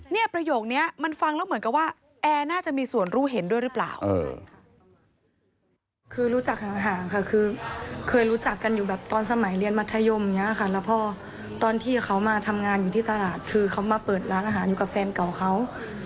ประโยคนี้มันฟังแล้วเหมือนกับว่าแอร์น่าจะมีส่วนรู้เห็นด้วยหรือเปล่า